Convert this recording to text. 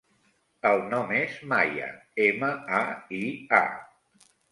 El nom és Maia: ema, a, i, a.